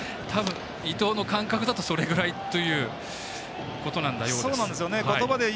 伊藤の感覚だとそれぐらいということだということです。